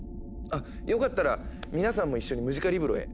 あっよかったら皆さんも一緒にムジカリブロへ。